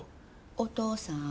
お父さん？